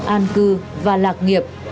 an cư và lạc nghiệp